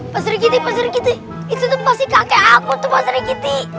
pak sirkiti pak sirkiti itu tuh pasti kakek aku tuh pak sirkiti